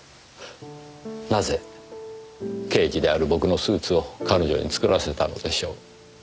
なぜ刑事である僕のスーツを彼女に作らせたのでしょう？